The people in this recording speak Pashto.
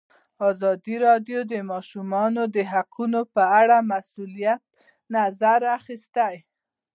ازادي راډیو د د ماشومانو حقونه په اړه د مسؤلینو نظرونه اخیستي.